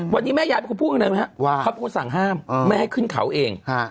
วันนี้แม่ยายเป็นคนสั่งห้ามไม่ให้ขึ้นเขาเอง